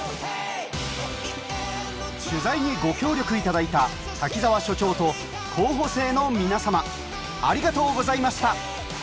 取材にご協力いただいた瀧澤所長と候補生の皆さまありがとうございました